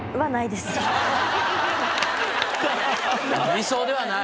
理想ではない？